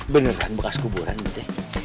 beneran bekas kuburan bete